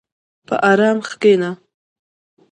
په ارام کښېنه.